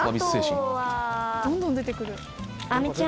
どんどん出てくる。